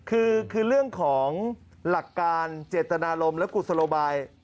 คือเรื่องของหลักการเจตนารมณ์และกุศโลบาย